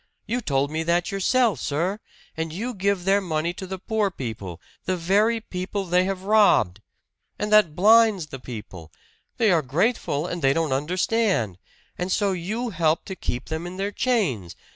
You told me that yourself, sir! And you give their money to the poor people the very people they have robbed! And that blinds the people they are grateful, and they don't understand! And so you help to keep them in their chains!